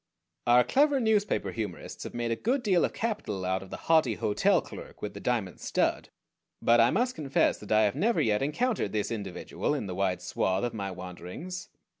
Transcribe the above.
Our clever newspaper humorists have made a good deal of capital out of the haughty hotel clerk with the diamond stud; but I must confess that I have never yet encountered this individual in the wide swath of my wanderings.